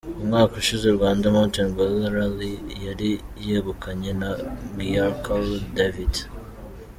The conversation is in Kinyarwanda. Umwaka ushize, Rwanda Mountain Gorilla Rally yari yegukanywe na Giancarlo Davite.